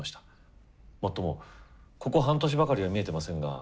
もっともここ半年ばかりは見えてませんが。